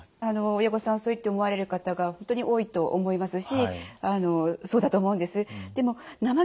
親御さんはそういって思われる方が本当に多いと思いますしそうだと思うんです。